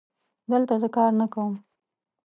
دلته زه کار نه کوم